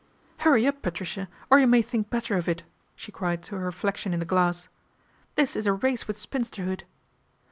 " Hurry up, Patricia ! or you may think better of it," she cried to her reflection in the glass. ' This is a race with spinsterhood."